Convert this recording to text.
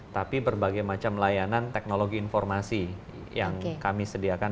tapi berbagai macam layanan teknologi informasi yang kami sediakan